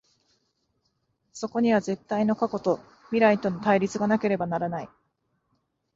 そこには絶対の過去と未来との対立がなければならない。